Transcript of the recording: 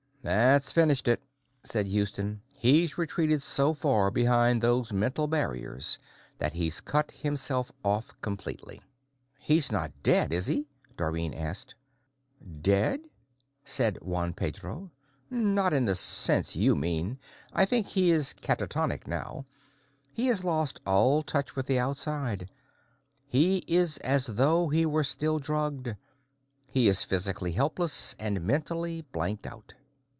"That's finished it," said Houston. "He's retreated so far behind those mental barriers that he's cut himself off completely." "He's not dead, is he?" Dorrine asked. "Dead?" said Juan Pedro. "Not in the sense you mean. But I think he is catatonic now; he has lost all touch with the outside. He is as though he were still drugged; he is physically helpless, and mentally blanked out."